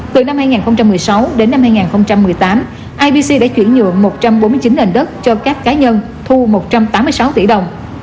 từ năm hai nghìn một mươi sáu đến năm hai nghìn một mươi tám ibc đã chuyển nhượng một trăm bốn mươi chín nền đất cho các cá nhân thu một trăm tám mươi sáu tỷ đồng